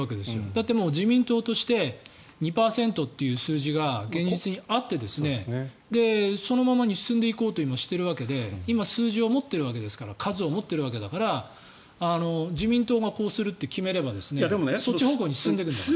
だってもう自民党として２％っていう数字が現実にあってそのままに進んでいこうとも今、しているわけで今数字を持っているわけですから数を持っているわけだから自民党がこうするって決めればそっち方向に進んでいくんだもん。